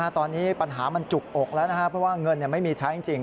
ตอนนี้ปัญหามันจุกอกแล้วนะครับเพราะว่าเงินไม่มีใช้จริง